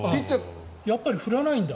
やっぱり振らないんだ。